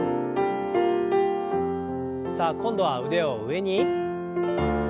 さあ今度は腕を上に。